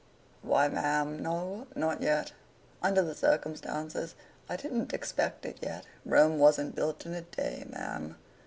'Why, ma'am, no; not yet. Under the circumstances, I didn't expect it yet. Rome wasn't built in a day, ma'am.